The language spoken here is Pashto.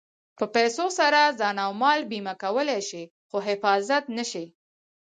په پیسو سره ځان او مال بیمه کولی شې خو حفاظت نه شې.